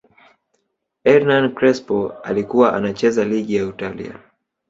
ernan Crespo alikuwa anacheza ligi ya Italia